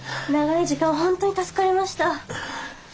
長い時間本当に助かりました。